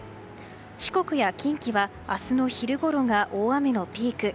四国や近畿は明日の昼ごろが大雨のピーク。